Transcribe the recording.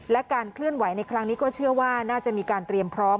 และการเคลื่อนไหวในครั้งนี้ก็เชื่อว่าน่าจะมีการเตรียมพร้อม